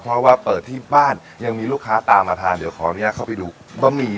เพราะว่าเปิดที่บ้านยังมีลูกค้าตามมาทานเดี๋ยวขออนุญาตเข้าไปดูบะหมี่